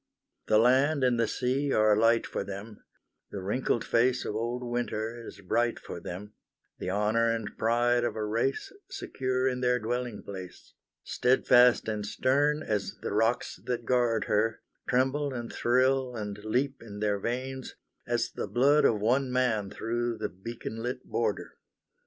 The land and the sea are alight for them; The wrinkled face of old Winter is bright for them; The honour and pride of a race Secure in their dwelling place, Steadfast and stern as the rocks that guard her, Tremble and thrill and leap in their veins, As the blood of one man through the beacon lit border!